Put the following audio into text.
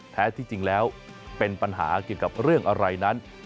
แท้ที่จริงแล้วเป็นปัญหาเกี่ยวกับเรื่องอะไรนั้น